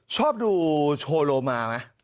ชอบดูโชว์โลมาไหม